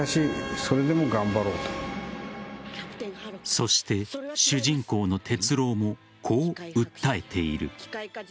そして、主人公の鉄郎もこう訴えている。